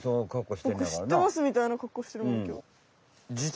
ボク知ってますみたいな格好してるもんきょう。